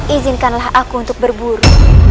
izinkanlah aku untuk berburu